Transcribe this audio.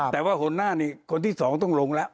แต่ว่าหัวหน้านี่คนที่สองต้องลงแล้ว